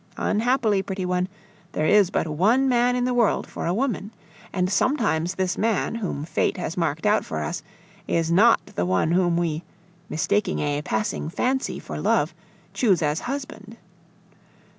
Unhappily, pretty one, there is but one man in the world for a woman! And sometimes this man, whom fate has marked out for us, is not the one whom we, mistaking a passing fancy for love, choose as husband.